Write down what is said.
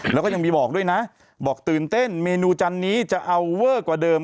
แล้วก็ยังมีบอกด้วยนะบอกตื่นเต้นเมนูจันนี้จะเอาเวอร์กว่าเดิม